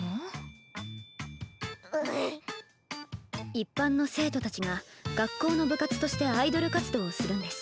一般の生徒たちが学校の部活としてアイドル活動をするんです。